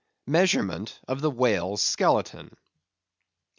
Measurement of The Whale's Skeleton.